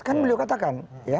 kan beliau katakan